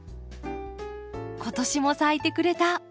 今年も咲いてくれた！